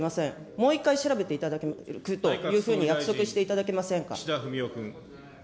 もう一回調べていただけるというふうに約束していただけませんか。